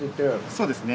そうですね。